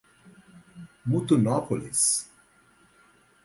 Mutunópolis